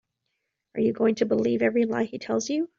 Are you going to believe every lie he tells you?